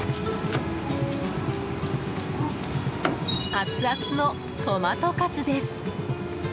アツアツの、トマトカツです。